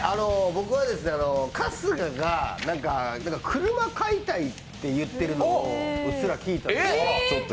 春日が車買いたいって言っているのをうっすら聞いたんです。